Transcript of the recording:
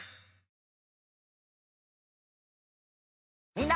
みんな。